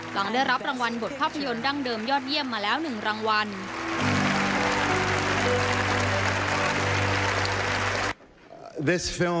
หลังได้รับรางวัลบทภาพยนตร์ดั้งเดิมยอดเยี่ยมมาแล้ว๑รางวัล